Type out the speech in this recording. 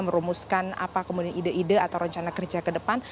merumuskan apa kemudian ide ide atau rencana kerja ke depan